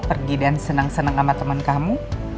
pergi dan senang senang sama teman kamu